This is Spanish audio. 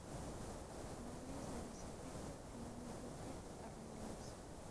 Lois le dice a Peter que no la empuje a rebelarse.